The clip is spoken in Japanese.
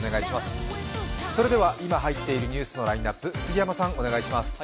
それでは今入っているニュースのラインナップ、杉山さんお願いします。